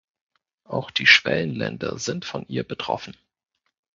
Auch die Schwellenländer sind von ihr betroffen.